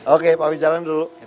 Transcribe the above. oke pak wih jalan dulu